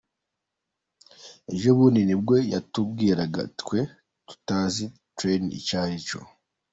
Ejobundi nibwo yatubwiragako twe tutazi train icyaricyo.